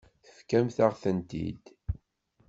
Tefkamt-aɣ-tent-id.